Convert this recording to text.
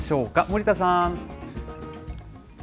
森田さん。